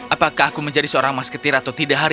apakah aku menjadi seorang mas ketir atau tidak hari